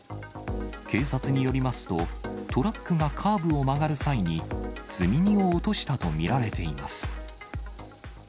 警察によりますと、トラックがカーブを曲がる際に、積み荷を落としたと見られています。